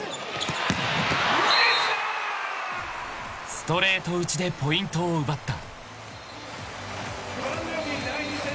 ［ストレート打ちでポイントを奪った］